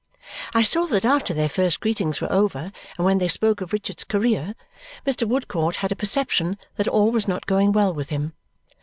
I saw that after their first greetings were over, and when they spoke of Richard's career, Mr. Woodcourt had a perception that all was not going well with him.